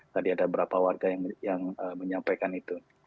tadi ada berapa warga yang menyampaikan itu